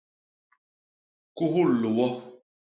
Kuhul liwo.